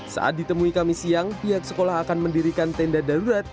saat ditemui kami siang pihak sekolah akan mendirikan tenda darurat